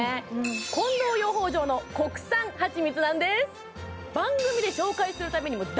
近藤養蜂場の国産はちみつなんですでして